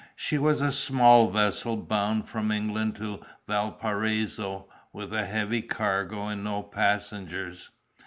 She was a small vessel bound from England to Valparaiso with a heavy cargo and no passengers.